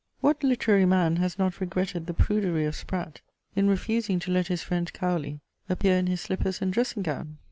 What literary man has not regretted the prudery of Spratt in refusing to let his friend Cowley appear in his slippers and dressing gown?